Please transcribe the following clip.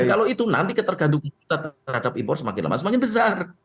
dan kalau itu nanti ketergantungan kita terhadap impor semakin lama semakin besar